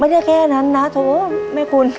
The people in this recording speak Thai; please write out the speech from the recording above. ไม่ได้แค่นั้นนะโถแม่คุณ